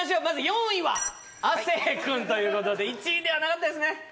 まず４位は亜生君ということで１位ではなかったですね